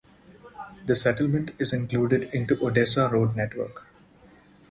The settlement is included into Odessa road network.